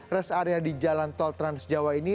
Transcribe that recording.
rest area di jalan tol trans jawa ini